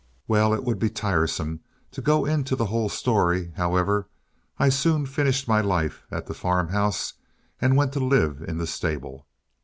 Well, it would be tiresome to go into the whole story; however, I soon finished my life at the farm house and went to live in the stable.